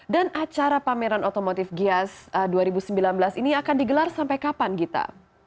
dan acara pameran otomotif gia dua ribu sembilan belas ini akan digelar sampai kapan gita